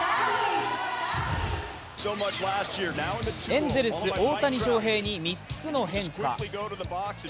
エンゼルス・大谷翔平に３つの変化。